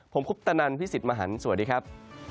ผมคุปตะนันพี่สิทธิ์มหันฯสวัสดีครับ